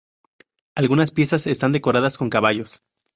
Algunas piezas están decoradas con caballos.